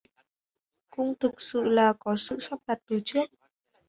cũng thực như là có sự sắp đặt từ trước